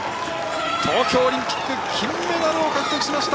東京オリンピック、金メダルを獲得しました。